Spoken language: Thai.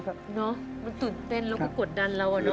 กินดี